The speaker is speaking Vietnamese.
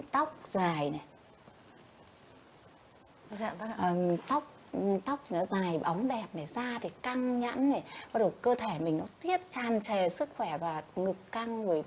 tóc dài tóc nó dài bóng đẹp da thì căng nhẵn cơ thể mình nó tiết chan chè sức khỏe và ngực căng